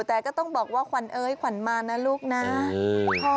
แต่ก็ต้องบอกว่าขวัญเอ้ยขวัญมานะลูกนะ